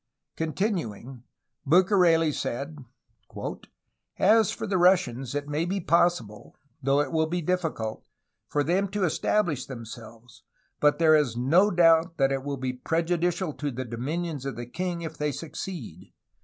Continuing, Bucareli said: "As for the Russians it may be possible, though it will be difficult, for them to establish themselves, but there is no doubt that it will be prejudicial to the dominions of the king if they succeed.